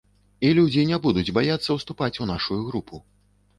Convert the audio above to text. І людзі не будуць баяцца ўступаць у нашую групу.